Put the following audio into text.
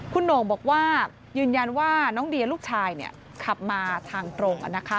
คุณโหน่งบอกว่ายืนยันว่าน้องเดียลูกชายขับมาทางตรง